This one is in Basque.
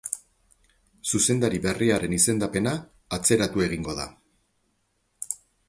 Zuzendari berriaren izendapena atzeratu egingo da.